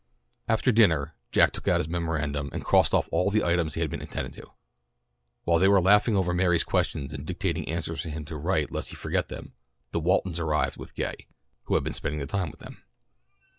After dinner Jack took out his memorandum and crossed off all the items that had been attended to. While they were laughing over Mary's questions and dictating answers for him to write lest he forget them, the Waltons arrived with Gay, who had been spending the day with them.